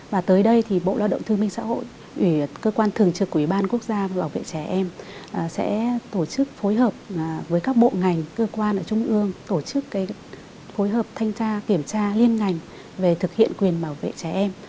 và tới đây thì bộ lao động thương minh xã hội ủy cơ quan thường trực của ủy ban quốc gia về bảo vệ trẻ em sẽ tổ chức phối hợp với các bộ ngành cơ quan ở trung ương tổ chức phối hợp thanh tra kiểm tra liên ngành về thực hiện quyền bảo vệ trẻ em